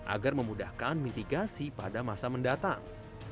agar memudahkan mitigasi pada masa mendatang